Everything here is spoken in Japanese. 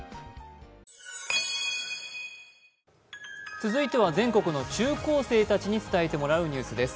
続いては全国の中高生たちに伝えてもらうニュースです。